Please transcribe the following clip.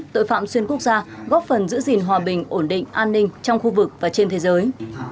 tội phạm xuyên quốc gia góp phần giữ gìn hòa bình ổn định an ninh trong khu vực và trên thế giới